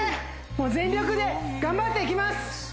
もう全力で頑張っていきます！